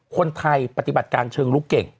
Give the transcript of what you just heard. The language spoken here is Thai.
ปฏิบัติการเชิงลุกเก่ง